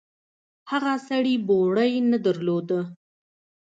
هغه سړي بوړۍ نه درلوده.